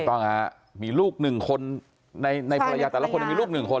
ถูกต้องครับมีลูก๑คนในภรรยาแต่ละคนมีลูก๑คน